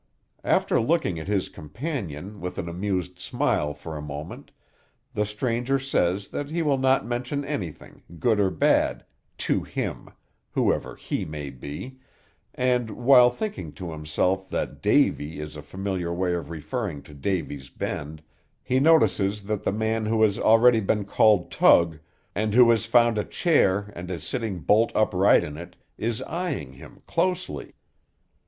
After looking at his companion, with an amused smile, for a moment, the stranger says that he will not mention anything, good or bad, "to him," whoever he may be, and, while thinking to himself that "Davy" is a familiar way of referring to Davy's Bend, he notices that the man who has already been called Tug, and who has found a chair and is sitting bolt upright in it, is eyeing him closely.